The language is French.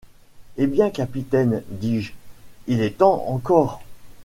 Eh bien, capitaine, dis-je, il est temps encore